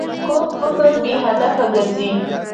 کوږ فکر بې هدفه ګرځي